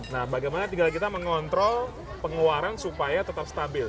nah bagaimana tinggal kita mengontrol pengeluaran supaya tetap stabil